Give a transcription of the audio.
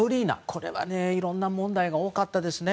これはいろんな問題が多かったですね。